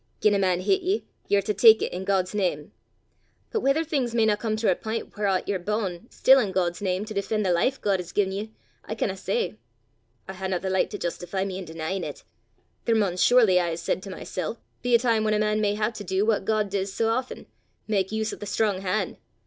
Gien a man hit ye, ye're to tak it i' God's name. But whether things mayna come to a p'int whaurat ye're bu'n', still i' God's name, to defen' the life God has gien ye, I canna say I haena the licht to justifee me in denyin' 't. There maun surely, I hae said to mysel', be a time whan a man may hae to du what God dis sae aften mak use o' the strong han'!